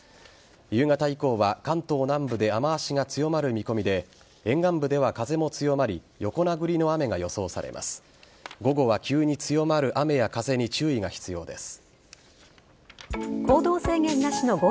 夕方以降は関東南部で雨脚が強まる見込みで沿岸部では風も強まり横殴りの雨が予想されます。